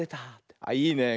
あっいいね。